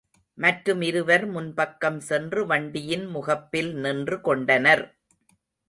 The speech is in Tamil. மற்றும் இருவர் முன்பக்கம் சென்று வண்டியின் முகப்பில் நின்று கொண்டனர்.